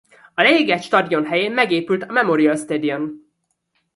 A leégett stadion helyett megépült a Memorial Stadion.